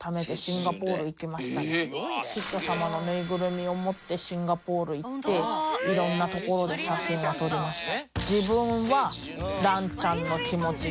キッド様のぬいぐるみを持ってシンガポール行って色んな所で写真を撮りました。